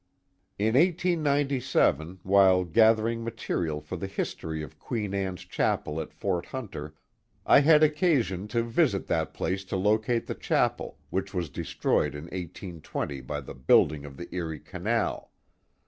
In 1897. while gathering material for the history of Queen Anne's Chapel at Fort Hunter, I had occasion to visit that place to locate the chapel, which was destroyed in 1820 by the building of the Erie Canal.